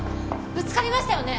ぶつかりましたよね？